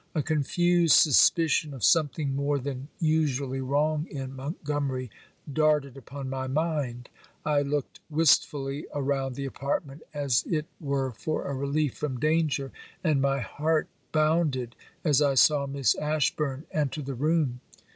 A confused suspicion of something more than usually wrong in Montgomery darted upon my mind. I looked wistfully around the apartment, as it were for a relief from danger, and my heart bounded as I saw Miss Ashburn enter the room.